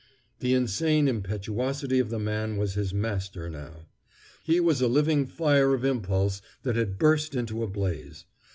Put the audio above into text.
The insane impetuosity of the man was his master now. He was a living fire of impulse that had burst into a blaze.